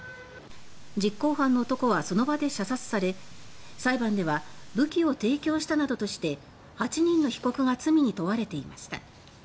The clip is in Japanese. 実行犯の男はその場で射殺され裁判では武器を提供したなどとして８人の被告が罪に問われていました。